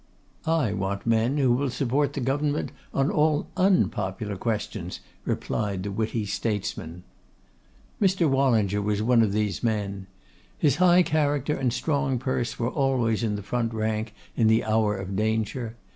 'I want men who will support the government on all unpopular questions,' replied the witty statesman. Mr. Wallinger was one of these men. His high character and strong purse were always in the front rank in the hour of danger.